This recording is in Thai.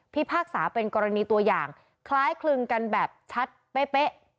พากษาเป็นกรณีตัวอย่างคล้ายคลึงกันแบบชัดเป๊ะ